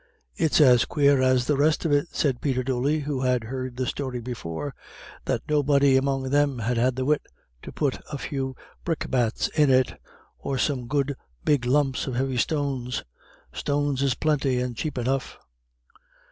"It's as quare as the rest of it," said Peter Dooley, who had heard the story before, "that nobody among them had had the wit to put a few brickbats in it, or some good big lumps of heavy stones. Stones is plinty, and chape enough."